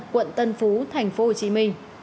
quận tân phú tp hcm